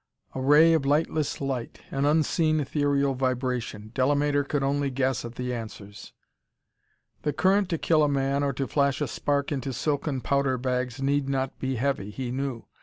A ray of lightless light an unseen ethereal vibration.... Delamater could only guess at the answers. The current to kill a man or to flash a spark into silken powder bags need not be heavy, he knew.